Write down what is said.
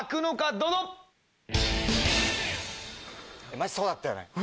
マジそうだったよね！